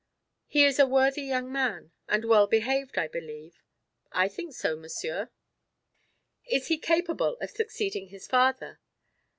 "He is a worthy young man, and well behaved, I believe." "I think so, Monsieur." "Is he capable of succeeding his father?"